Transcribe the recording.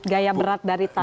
gaya berat dari tanah